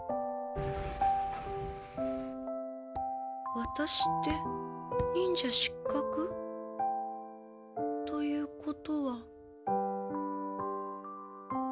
ワタシって忍者失格？ということは。